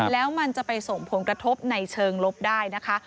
แล้วมันจะไปส่งผลกระทบในเชิงลบได้นะคะ